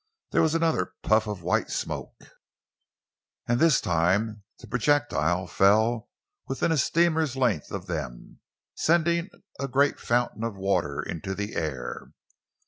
There was another puff of white smoke, and this time the projectile fell within a steamer's length of them, sending a great fountain of water into the air.